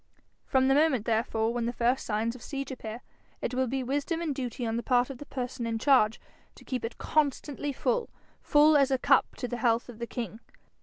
From the moment therefore when the first signs of siege appear, it will be wisdom and duty on the part of the person in charge to keep it constantly full full as a cup to the health of the king.